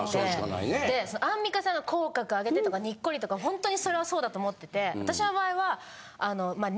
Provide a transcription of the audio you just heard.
でアンミカさんが口角上げてとかニッコリとかほんとにそれはそうだと思ってて私の場合は。